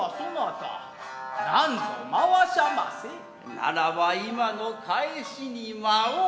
ならば今の返しに舞おう。